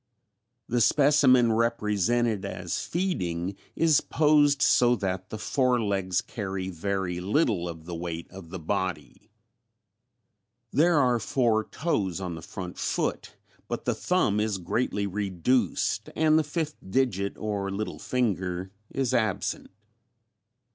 The specimen represented as feeding is posed so that the fore legs carry very little of the weight of the body. There are four toes on the front foot but the thumb is greatly reduced and the fifth digit or little finger, is absent."